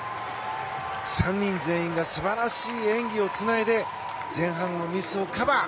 ３人全員が素晴らしい演技をつないで前半のミスをカバー。